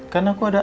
kan aku ada